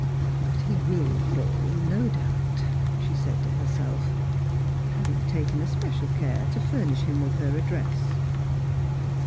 " But he will call, no doubt," she said to herself, having taken es, pecial care to furnish him with her address.